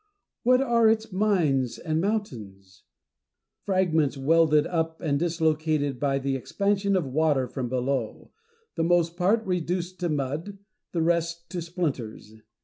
What are its mines and mountains ? Fragments welded up and dislocated by the expansion of water from below ; the most part reduced to mud, the rest to splinters.